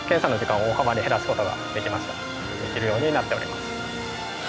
できるようになっております。